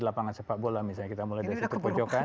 lapangan sepak bola misalnya kita mulai dari situ pojokan